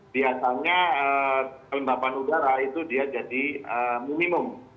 biasanya kelembapan udara itu dia jadi minimum